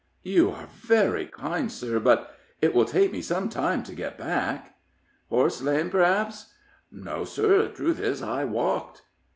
"You are very kind, sir, but it will take me some time to get back." "Horse lame, p'r'aps?" "No, sir; the truth is, I walked."